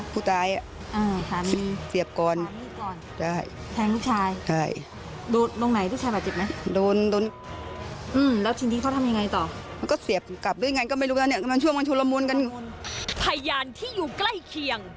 พยานที่อยู่ใกล้เคียง